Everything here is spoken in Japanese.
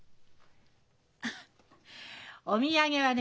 あっお土産はね